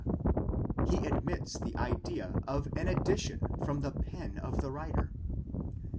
A. he admits the idea of an addition from the pen of the writer.